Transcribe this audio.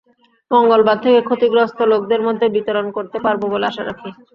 মঙ্গলবার থেকে ক্ষতিগ্রস্ত লোকদের মধ্যে বিতরণ করতে পারব বলে আশা রাখি।